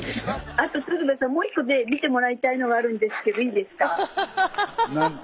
あと鶴瓶さんもう一個ね見てもらいたいのがあるんですけどいいですか？